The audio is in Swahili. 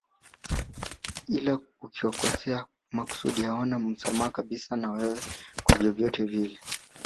Ila ukiwakosea makusudi hawana msamaha kabisa na wewe kwa vyovyote vile